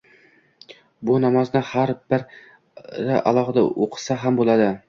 Bu namozni har biri alohida o‘qisa ham bo‘ladi.